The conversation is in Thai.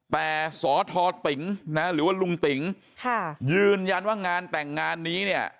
แต่สทติงนะหรือว่าลุงติ๋งค่ะยืนยันว่างานแต่งงานนี้เนี่ย